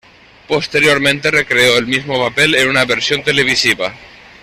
Posteriormente recreó el mismo papel en una versión televisiva.